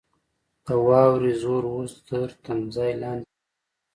د واورې زور اوس تر تمځای لاندې پر غره وو.